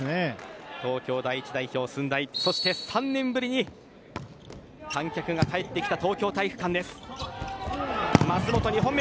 東京第１代表・駿台３年ぶりに観客が帰ってきた東京体育館です。